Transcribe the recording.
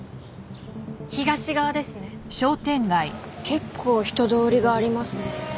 結構人通りがありますね。